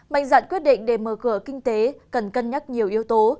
mạnh dạn quyết định để mở cửa kinh tế cần cân nhắc nhiều yếu tố